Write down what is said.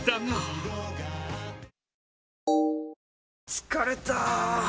疲れた！